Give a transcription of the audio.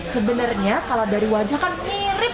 sebenarnya kalau dari wajah kan mirip